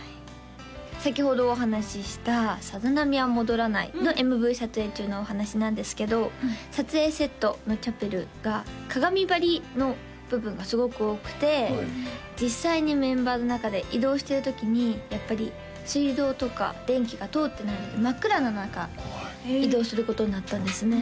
先ほどお話しした「さざ波は戻らない」のＭＶ撮影中のお話しなんですけど撮影セットのチャペルが鏡張りの部分がすごく多くて実際にメンバーと中で移動してる時にやっぱり水道とか電気が通ってないので真っ暗な中移動することになったんですね